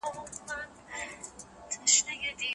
نظري پوښتنې د تحقیق پیل دی.